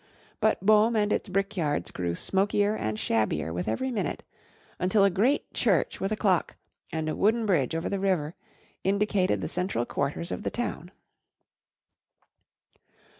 But Boom and its brickyards grew smokier and shabbier with every minute; until a great church with a clock, and a wooden bridge over the river, indicated the central quarters of the town.